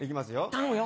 頼むよ。